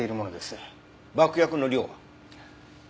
爆薬の量は？